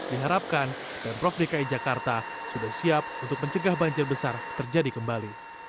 diharapkan pemprov dki jakarta sudah siap untuk mencegah banjir besar terjadi kembali